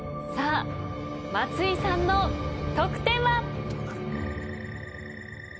松井さんの得点は。